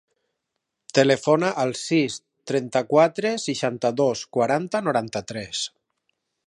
Telefona al sis, trenta-quatre, seixanta-dos, quaranta, noranta-tres.